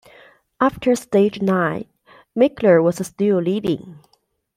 After stage nine, Maechler was still leading.